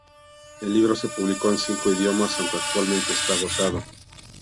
El libro se publicó en cinco idiomas aunque actualmente está agotado.